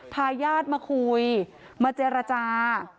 พายาทมาคุยมาเจรจา